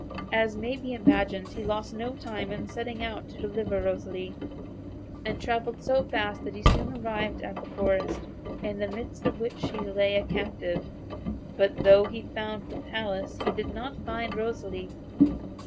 As may be imagined, he lost no time in setting out to deliver Rosalie, and travelled so fast that he soon arrived at the forest, in the midst of which she lay a captive. But though he found the palace he did not find Rosalie.